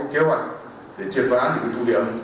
để triệt phá những cái thủ điểm